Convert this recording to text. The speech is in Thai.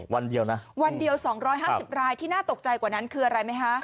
วันเดียวนะวันเดียว๒๕๐รายที่น่าตกใจกว่านั้นคืออะไรไหมคะ